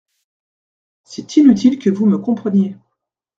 C’est inutile que vous me compreniez.